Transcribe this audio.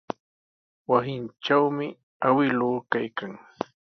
Wasintrawmi awkilluu kaykan.